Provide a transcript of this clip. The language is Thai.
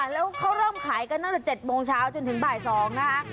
แล้วเขาเริ่มขายกันตั้งแต่๗โมงเช้าจนถึงบ่าย๒นะคะ